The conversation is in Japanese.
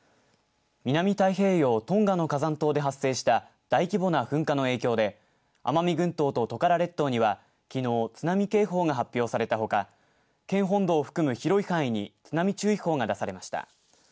南太平洋、トンガの火山島で発生した大規模な噴火の影響で奄美群島とトカラ列島にはきのう津波警報が発表されたほか県本土を含む広い範囲に津波注意報が出されました。